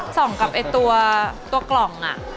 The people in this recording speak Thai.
ส่องกับตัวกล่อง